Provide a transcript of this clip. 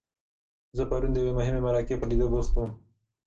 زه پرون د یوې مهمې مرکې په لیدو بوخت وم.